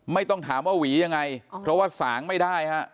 ไม่ต้องถามว่าหวียังไงเพราะว่าสางไม่ได้ฮะ